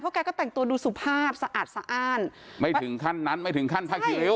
แกก็แต่งตัวดูสุภาพสะอาดสะอ้านไม่ถึงขั้นนั้นไม่ถึงขั้นผ้าคีริ้ว